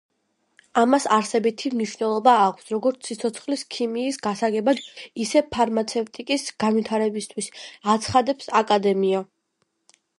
ამას არსებითი მნიშვნელობა აქვს, როგორც „სიცოცხლის ქიმიის“ გასაგებად, ისე ფარმაცევტიკის განვითარებისთვის“, – აცხადებს აკადემია.